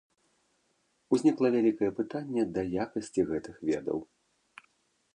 Узнікла вялікае пытанне да якасці гэтых ведаў.